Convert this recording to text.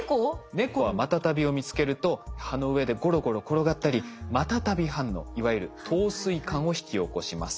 猫はマタタビを見つけると葉の上でゴロゴロ転がったりマタタビ反応いわゆる陶酔感を引き起こします。